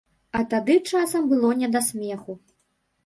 А тады часам было не да смеху.